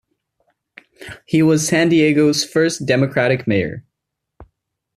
He was San Diego's first Democratic mayor.